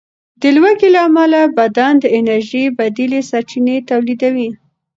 د لوږې له امله بدن د انرژۍ بدیلې سرچینې تولیدوي.